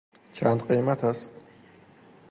چند قیمت است؟